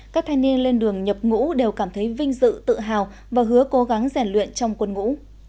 các thanh niên lên đường nhập ngũ đều cảm thấy vinh dự tự hào và hứa cố gắng rèn luyện trong quân ngũ